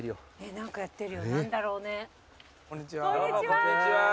こんにちは。